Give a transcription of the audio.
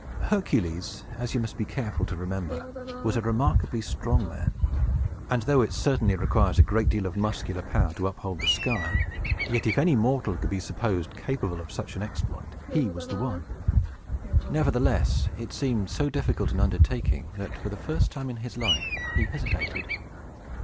Hercules, as you must be careful to remember, was a remarkably strong man; and though it certainly requires a great deal of muscular power to uphold the sky, yet, if any mortal could be supposed capable of such an exploit, he was the one. Nevertheless, it seemed so difficult an undertaking, that, for the first time in his life, he hesitated.